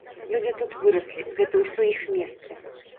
Людзі тут выраслі, гэта ўсё іх месцы.